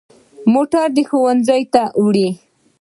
موټر مو ښوونځي ته وړي.